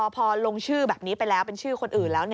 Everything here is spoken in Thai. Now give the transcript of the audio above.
พอลงชื่อแบบนี้ไปแล้วเป็นชื่อคนอื่นแล้ว